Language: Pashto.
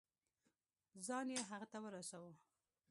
ځان يې هغه ته ورساوه.